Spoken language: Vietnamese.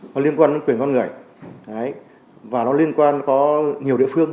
nó liên quan đến quyền con người và nó liên quan có nhiều địa phương